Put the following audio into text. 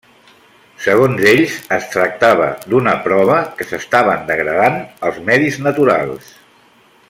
Segons ells, es tractava d'una prova que s'estaven degradant els medis naturals.